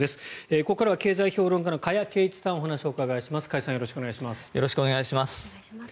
ここからは経済評論家の加谷珪一さんにお話をお伺いします。